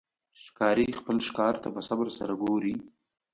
ښکاري خپل ښکار ته په صبر سره ګوري.